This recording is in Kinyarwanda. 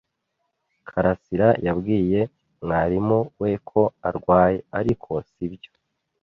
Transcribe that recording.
karasira yabwiye mwarimu we ko arwaye, ariko sibyo.